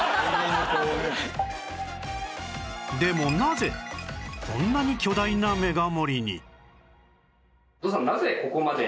でもなぜこんなに巨大なメガ盛りに？